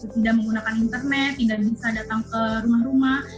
tidak menggunakan internet tidak bisa datang ke rumah rumah